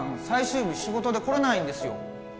最終日仕事で来れないんですよ